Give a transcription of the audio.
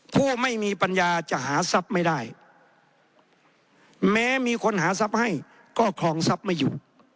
ผู้ไม่มีปัญญาจะหาทรัพย์ไม่ได้แม้มีคนหาทรัพย์ให้ก็ครองทรัพย์ไม่อยู่